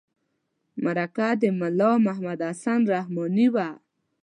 مرکه د ملا محمد حسن رحماني وه.